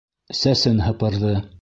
Сәсен һыпырҙы.